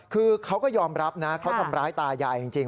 คือเขาก็ยอมรับนะเขาทำร้ายตายายจริง